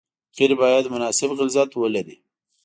قیر باید مناسب غلظت ولري